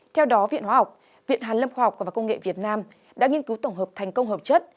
theo đó viện hóa học viện hàn lâm khoa học và công nghệ việt nam đã nghiên cứu tổng hợp thành công hợp chất